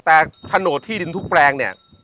แต่โฉนดที่ดินทุกแปลงเนี่ย